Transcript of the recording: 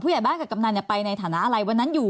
ผู้ใหญ่บ้านกับกำนันไปในฐานะอะไร